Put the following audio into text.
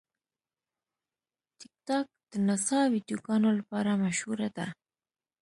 ټیکټاک د نڅا ویډیوګانو لپاره مشهوره ده.